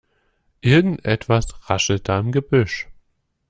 Irgendetwas raschelt da im Gebüsch.